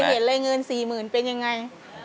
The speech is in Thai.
เกิดมาที่แม่มันยังไม่เห็นเลยเหนื่อย๔หมื่นเป็นยังไง